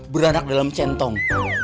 beranak dalam centong